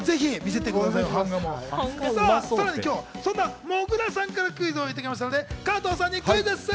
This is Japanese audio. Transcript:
さらに今日、そんなもぐらさんからクイズをいただきましたので加藤さんにクイズッス。